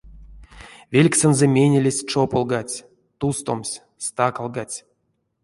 Велькссэнзэ менелесь чополгадсь, тустомсь, стакалгадсь.